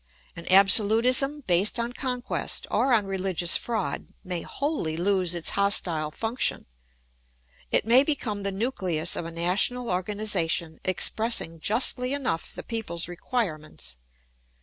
An absolutism based on conquest or on religious fraud may wholly lose its hostile function. It may become the nucleus of a national organisation expressing justly enough the people's requirements.